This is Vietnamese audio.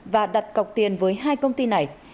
và đặt cọc tiền với hai công ty này